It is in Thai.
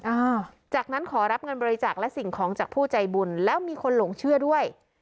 อ่าจากนั้นขอรับเงินบริจาคและสิ่งของจากผู้ใจบุญแล้วมีคนหลงเชื่อด้วย